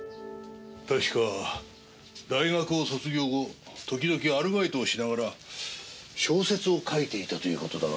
確か大学を卒業後時々アルバイトをしながら小説を書いていたということだが。